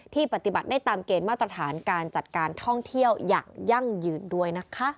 ปฏิบัติได้ตามเกณฑ์มาตรฐานการจัดการท่องเที่ยวอย่างยั่งยืนด้วยนะคะ